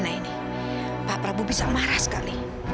tidak ini pak prabu bisa marah sekali